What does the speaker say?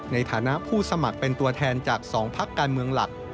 ในฐานะผู้สมัครเป็นตัวแทนจาก๒พักการเมืองหลัก